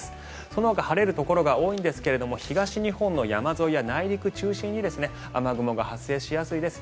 そのほか晴れるところが多いんですが東日本の山沿いや内陸中心に雨雲が発生しやすいです。